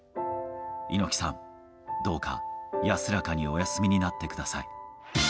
猪木さん、どうか安らかにお休みになってください。